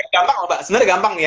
gampang mbak sebenernya gampang nih ya